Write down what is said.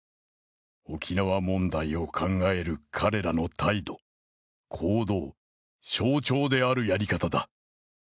沖縄問題を考える彼らの態度、行動、象徴であるやり方だ。